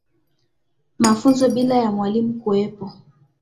Mafunzo bila ya mwalimu kuwepo